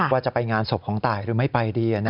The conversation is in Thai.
ว่าจะไปงานศพของตายหรือไม่ไปดี